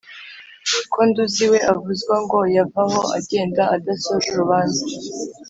Ko nduzi we avuzwa Ngo yavaho agenda Adasoje urubanza